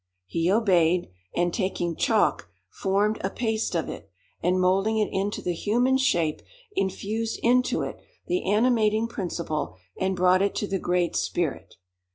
_' He obeyed; and taking chalk, formed a paste of it, and moulding it into the human shape, infused into it the animating principle and brought it to the Great Spirit.